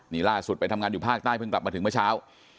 นี่ล่าสุดไปทำงานอยู่ภาคใต้เพิ่งกลับมาถึงเมื่อเช้า